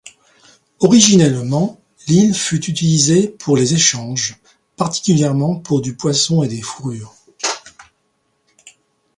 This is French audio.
Originellement, l'île fut utilisée pour les échanges, particulièrement pour du poisson et des fourrures.